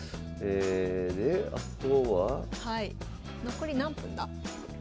残り何分だ？